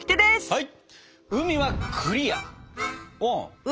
はい。